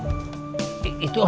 nanti akannya udah siap juga